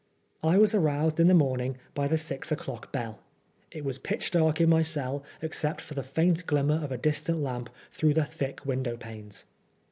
I was aroused in the morning by the six o'clock bell. It was pitch dark in my cell except for the faint glimmer of a distant lamp through the thick window panes.